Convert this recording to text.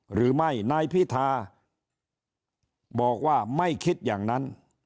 หรือไม่นายพิธาบอกว่าไม่คิดอย่างนั้น